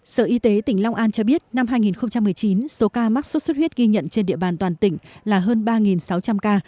sở y tế tỉnh long an cho biết năm hai nghìn một mươi chín số ca mắc sốt xuất huyết ghi nhận trên địa bàn toàn tỉnh là hơn ba sáu trăm linh ca